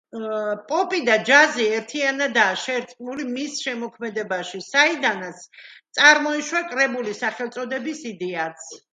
პოპი და ჯაზი ერთიანადაა შერწყმული მის შემოქმედებაში, საიდანაც წარმოიშვა კრებულის სახელწოდების იდეაც.